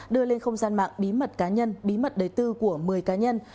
đưa lên không gian mạng bí mật cá nhân bí mật đời tư của một mươi cá nhân